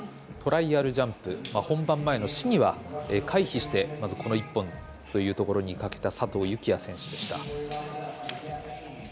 トライアルジャンプ本番前の試技は回避してこの１本というところにかけた佐藤幸椰選手でした。